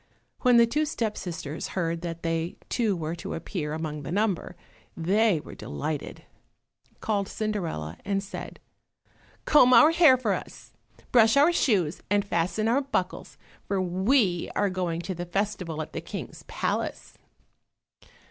When the two step sisters heard that they too were to appear among the number, they were delighted, called Cinderella and said, "Comb our hair for us, brush our shoes and fasten our buckles, for we are going to the festival at the King's palace."